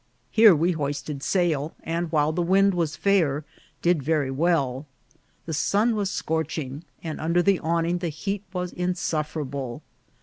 Here we hoisted sail, and while the wind was fair did very well. The sun was scorching, and under the awning the heat was insufferable.